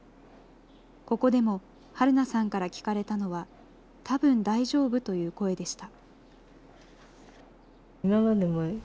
ここでも、はるなさんから聞かれたのは、たぶん大丈夫という声でした。